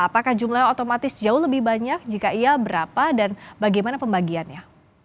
apakah jumlahnya otomatis jauh lebih banyak jika iya berapa dan bagaimana pembagiannya